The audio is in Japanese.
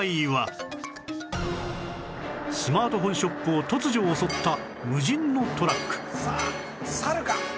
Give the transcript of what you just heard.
スマートフォンショップを突如襲った無人のトラックさあサルか？